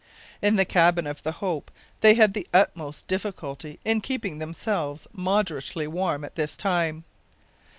In the cabin of the Hope they had the utmost difficulty in keeping themselves moderately warm at this time.